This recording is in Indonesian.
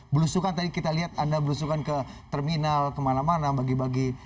belusukan tadi kita lihat anda belusukan ke terminal kemana mana bagi bagi